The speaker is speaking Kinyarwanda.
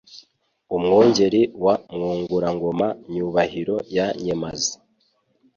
Umwungeri wa Mwungurangoma, Nyubahiro ya Nyemazi,